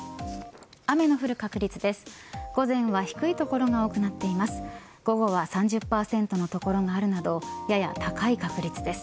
雨の降る確率です。